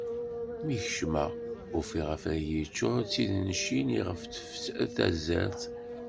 Mi kecmeɣ ufiɣ afrag yeččur d tidencin iɣef tefser tazart.